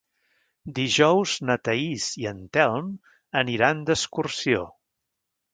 Dijous na Thaís i en Telm aniran d'excursió.